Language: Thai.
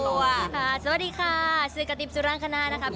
สวัสดีค่ะซื้อกะติ๊บจุฬาคณะนะครับ